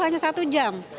ini satu jam